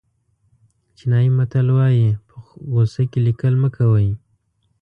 چینایي متل وایي په غوسه کې لیکل مه کوئ.